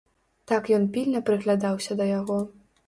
Так ён пільна прыглядаўся да яго.